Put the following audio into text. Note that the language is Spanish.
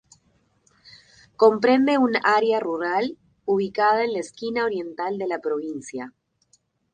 Comprende un área rural ubicada en la esquina oriental de la provincia.